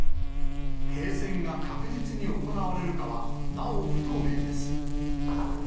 停戦が確実に行われるかは、なお不透明です。